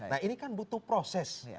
nah ini kan butuh proses